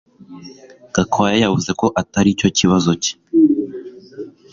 Gakwaya yavuze ko atari cyo kibazo cye